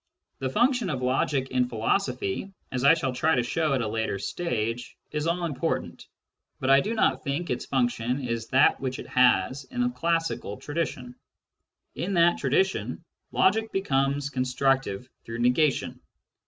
The function of logic in philosophy, as I shall try to show at a later stage, is all important ; but I do not think its function is that which it has in the classical tradition. In that tradition, logic becomes constructive through negation.